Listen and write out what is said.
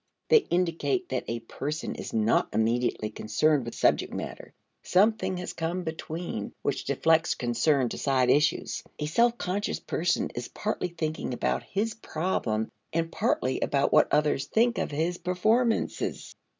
They indicate that a person is not immediately concerned with subject matter. Something has come between which deflects concern to side issues. A self conscious person is partly thinking about his problem and partly about what others think of his performances.